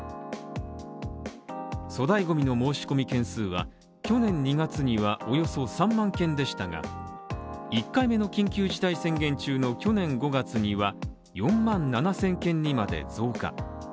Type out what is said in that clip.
粗大ゴミの申し込み件数は、去年２月にはおよそ３万件でしたが、１回目の緊急事態宣言中の去年５月には４万７０００件にまで増加。